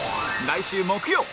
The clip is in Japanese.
来週木曜